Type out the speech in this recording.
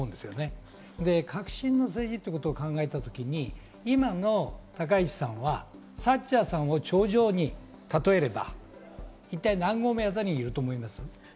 革新の政治ということを考えたときに今の高市さんはサッチャーさんを頂上に例えれば一体、何合目あたりにいると思いますか？